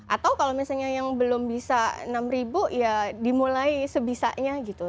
atau kalau misalnya yang belum bisa enam ribu ya dimulai sebisanya gitu